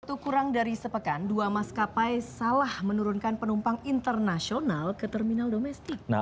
waktu kurang dari sepekan dua maskapai salah menurunkan penumpang internasional ke terminal domestik